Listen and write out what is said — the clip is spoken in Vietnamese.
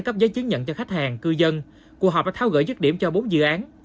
cấp giấy chứng nhận cho khách hàng cư dân cuộc họp đã tháo gỡ dứt điểm cho bốn dự án